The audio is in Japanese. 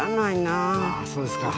ああそうですか。